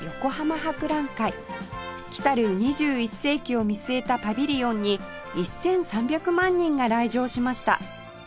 来たる２１世紀を見据えたパビリオンに１３００万人が来場しました